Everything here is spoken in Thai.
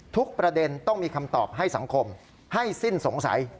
ทุกประเด็นต้องมีคำตอบให้สังคมให้สิ้นสงสัย